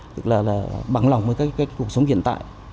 tức là bằng lòng với cuộc sống hiện tại